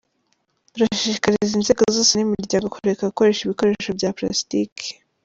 Turashishikariza inzego zose n’imiryango kureka gukoresha ibikoresho bya palasitiki.